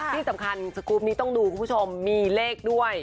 ที่สำคัญสกรูปนี้ต้องดูคุณผู้ชมมีเลขด้วย